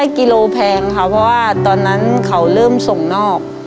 กิโลแพงค่ะเพราะว่าตอนนั้นเขาเริ่มส่งนอก